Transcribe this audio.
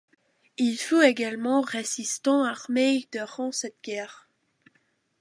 Il fut également résistant armé durant cette guerre.